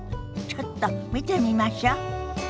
ちょっと見てみましょ。